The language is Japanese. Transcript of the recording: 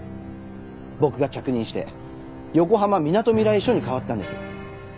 僕が着任して横浜みなとみらい署に変わったんです。